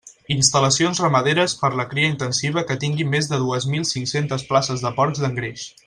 Instal·lacions ramaderes per a la cria intensiva que tinguin més de dues mil cinc-centes places de porcs d'engreix.